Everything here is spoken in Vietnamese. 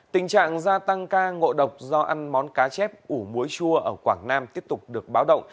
tình trạng gia tăng ca ngộ độc do ăn món cá chép ủ muối chua ở quảng nam tiếp tục được báo động